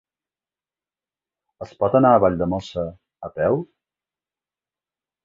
Es pot anar a Valldemossa a peu?